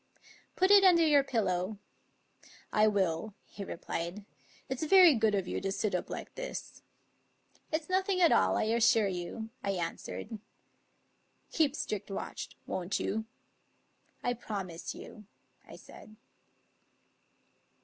" Put it under your pillow." " I will," he replied. " It's very good of you to sit up like this." " It's nothing at all, I assure you," I answered. "Keep strict watch, won't you?" " I promise you," I said.